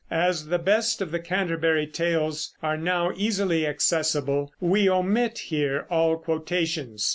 As the best of the Canterbury Tales are now easily accessible, we omit here all quotations.